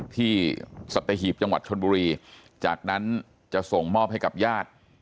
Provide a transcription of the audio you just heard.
สัตหีบจังหวัดชนบุรีจากนั้นจะส่งมอบให้กับญาติ